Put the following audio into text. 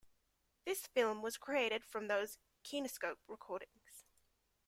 This film was created from those kinescope recordings.